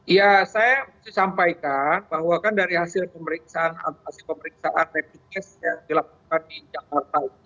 iya saya harus sampaikan bahwa kan dari hasil pemeriksaan hasil pemeriksaan rapid test yang dilakukan di jakarta ini